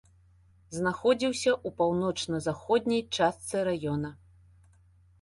Знаходзіўся ў паўночна-заходняй частцы раёна.